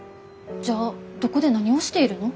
じゃあどこで何をしているの？